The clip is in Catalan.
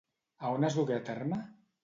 A on es dugué a terme?